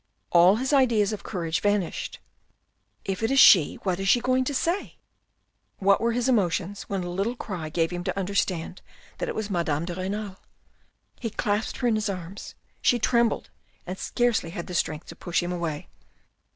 All his ideas of courage vanished. " If it is she, what is she going to say?" What were his emotions when a little cry gave him to understand, that it was Madame de Renal ? He clasped her in his arms. She trembled and scarcely had the strength to push him away.